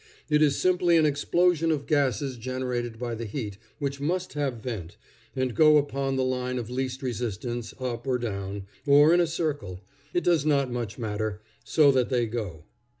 It is simply an explosion of gases generated by the heat, which must have vent, and go upon the line of least resistance, up, or down, or in a circle it does not much matter, so that they go.